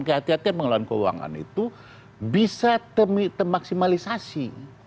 kehatian kehatian pengelolaan keuangan itu bisa termaksimalisasi